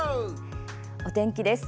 お天気です。